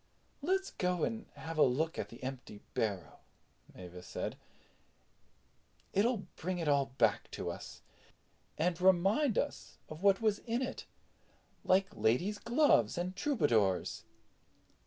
"Let's go around and have a look at the empty barrow," Mavis said; "it'll bring it all back to us, and remind us of what was in it, like ladies' gloves and troubadours."